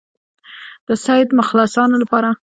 د سید مخلصانو لپاره.